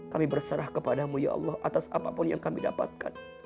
kami berserah kepadamu ya allah atas apapun yang kami dapatkan